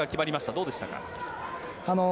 どうでしたか？